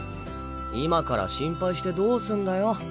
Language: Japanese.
今から心配してどうすんだよ。